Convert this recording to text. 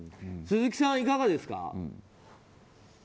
鈴木さん、いかがですか。